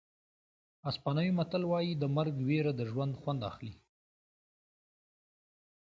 اسپانوي متل وایي د مرګ وېره د ژوند خوند اخلي.